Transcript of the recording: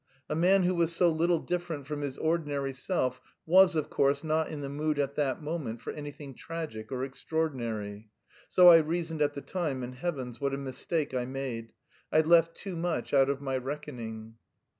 A man who was so little different from his ordinary self was, of course, not in the mood at that moment for anything tragic or extraordinary. So I reasoned at the time, and, heavens, what a mistake I made! I left too much out of my reckoning.